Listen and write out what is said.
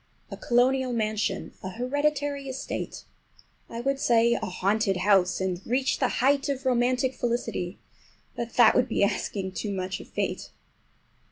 A colonial mansion, a hereditary estate, I would say a haunted house, and reach the height of romantic felicity—but that would be asking too much of fate!